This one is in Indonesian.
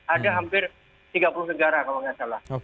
ada hampir tiga puluh negara kalau nggak salah